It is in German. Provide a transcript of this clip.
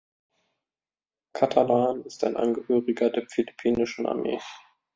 Catalan ist ein Angehöriger der philippinischen Armee.